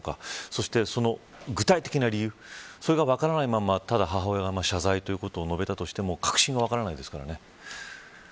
そして、その具体的な理由それが分からないままただ母親が謝罪を述べたとしても核心は分からないですからね。